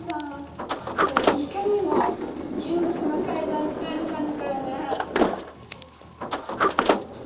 これ、いかにも刑務所の階段みたいな感じだよね。